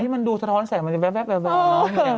มันดูสะท้อนแสงมันแบบน้อย